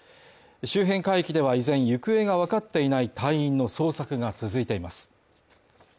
周辺海域では依然行方がわかっていない隊員の捜索が続いています。